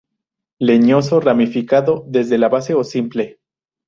Leñoso, ramificado desde la base o simple.